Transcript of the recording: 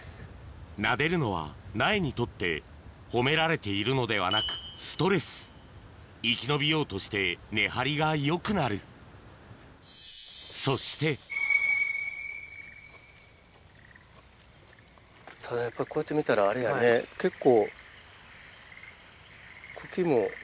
なでるのは苗にとって褒められているのではなくストレス生き延びようとして根張りがよくなるそしてただやっぱりこうやって見たらあれやね結構。